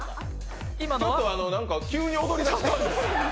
ちょっと急に踊り出した。